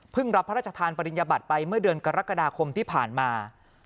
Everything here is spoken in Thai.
รับพระราชทานปริญญบัตรไปเมื่อเดือนกรกฎาคมที่ผ่านมา